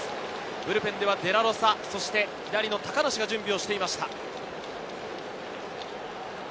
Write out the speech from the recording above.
ブルペンではデラロサ、左の高梨が準備をしていました。